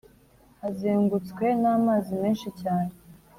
hazengutswe n’amazi menshi cyane